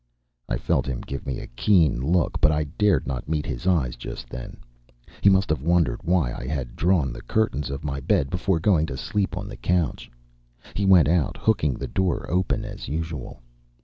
I felt him give me a keen look, but I dared not meet his eyes just then. He must have wondered why I had drawn the curtains of my bed before going to sleep on the couch. He went out, hooking the door open as usual.